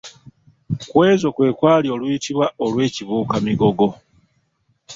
Ku ezo kwe kwali oluyitibwa olw'Ekibuuka-migogo.